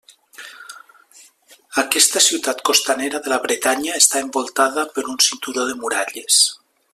Aquesta ciutat costanera de la Bretanya està envoltada per un cinturó de muralles.